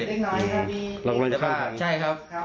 ลองรถข้ามไปเลยครับใช่ครับ